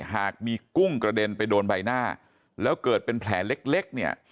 หากมีกุ้งกระเด็นไปโดนใบหน้าแล้วเกิดเป็นแผลเล็กเนี่ย